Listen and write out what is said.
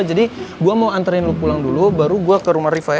jadi gue mau anterin lo pulang dulu baru gue ke rumah riva ya